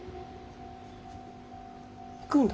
行くんだ。